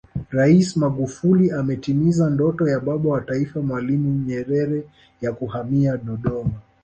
Rais Magufuli ametimiza ndoto ya Baba wa Taifa Mwalimu Nyerere ya kuhamia Dodoma